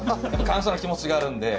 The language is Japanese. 感謝の気持ちがあるんで。